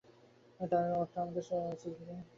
তার অর্থ আমার স্মৃতিতে গভীরভাবে গেঁথে যেত।